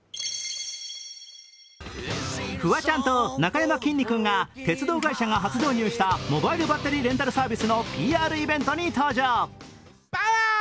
フワちゃんとなかやまきんに君が鉄道会社が初導入したモバイルバッテリーレンタルサービスのＰＲイベントに登場。